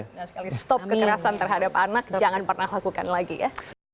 stop kekerasan terhadap anak jangan pernah lakukan lagi ya